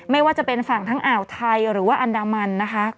ไม่ว่าจะเป็นฝั่งทั้งอ่าวไทยหรือว่าอันดามันนะคะ